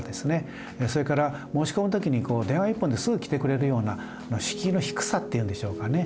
それから申し込む時に電話一本ですぐ来てくれるような敷居の低さっていうんでしょうかね。